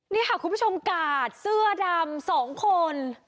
นี่ค่ะคุณผู้ชมกาดเสื้อดำ๒คน